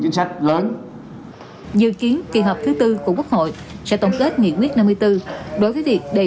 sách lớn dự kiến kỳ họp thứ tư của quốc hội sẽ tổng kết nghị quyết năm mươi bốn đối với việc đề